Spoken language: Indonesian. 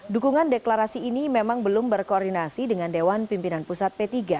dukungan deklarasi ini memang belum berkoordinasi dengan dewan pimpinan pusat p tiga